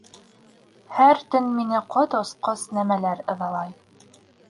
Һәр төн мине ҡот осҡос нәмәләр ыҙалай